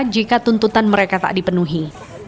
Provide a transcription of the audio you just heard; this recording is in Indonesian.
jika tuntutan mereka tak dipenuhi